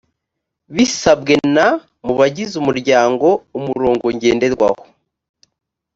bisabwe na… mu bagize umuryango, umurongo ngenderwaho